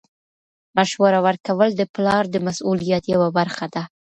مشوره ورکول د پلار د مسؤلیت یوه برخه ده.